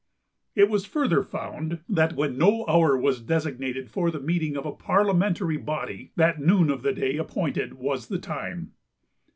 It was further found that when no hour was designated for the meeting of a parliamentary body, that noon of the day appointed was the time.